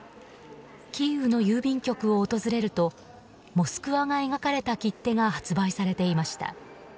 キーウの郵便局を訪れると「モスクワ」が描かれた切手が発売されていました。